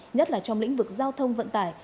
nhất là trong lĩnh vực giao thông vận tải